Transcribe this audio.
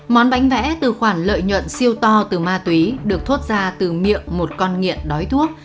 món bánh vẽ từ khoản lợi nhuận siêu to từ ma túy được thoát ra từ miệng một con nghiện đói thuốc